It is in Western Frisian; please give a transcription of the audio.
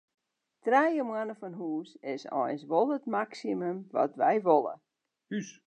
Trije moanne fan hús is eins wol it maksimum wat wy wolle.